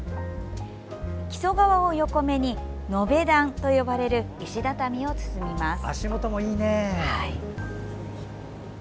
木曽川を横目に延段と呼ばれる石畳を進みます。